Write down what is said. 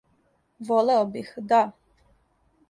Волео бих, да.